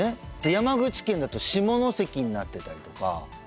山口県だと下関になってたりとか。